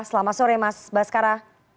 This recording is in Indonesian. selamat sore mas baskara